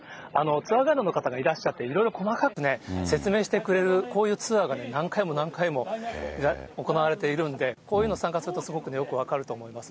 ツアーガイドの方がいらっしゃって、いろいろ細かくね、説明してくれる、こういうツアーが何回も何回も行われているんで、こういうの参加するとよく分かると思います。